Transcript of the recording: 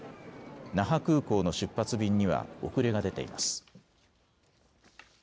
那覇空港の出発便には遅れが出ています。